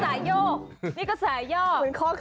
อันนี่ก็สายยก